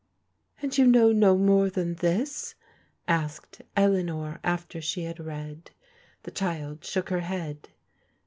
'*" And you know no more than this ?'* asked Eleanor after she had read. The child shook her head.